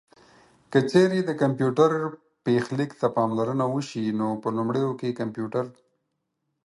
که چېرې د کمپيوټر پيښليک ته پاملرنه وشي نو په لومړيو کې کمپيوټر